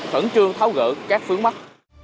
khẩn trương tháo gỡ các vướng mắt